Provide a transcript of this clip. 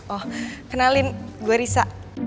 oh kenalin gue risa